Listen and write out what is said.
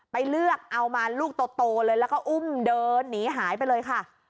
ไปเลือกเอามาลูกโตเลยแล้วก็อุ้มเดินหนีหายไปเลยค่ะ